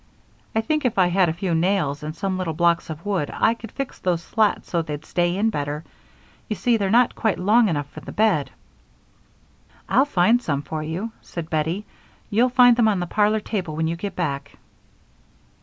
I think if I had a few nails and some little blocks of wood I could fix those slats so they'd stay in better; you see they're not quite long enough for the bed." "I'll find some for you," said Bettie. "You'll find them on the parlor table when you get back."